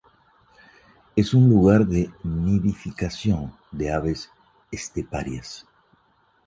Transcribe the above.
Es un lugar de nidificación de aves esteparias.